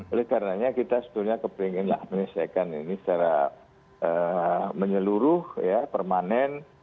oleh karenanya kita sebetulnya kepinginlah menyelesaikan ini secara menyeluruh ya permanen